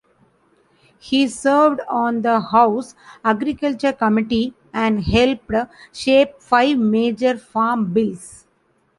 He served on the House Agriculture Committee and helped shape five major farm bills.